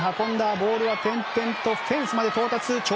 ボールは転々とフェンスまで到達。